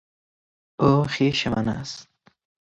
او خویش من است